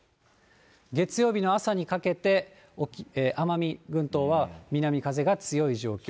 月曜日の朝にかけて、奄美群島は南風が強い状況。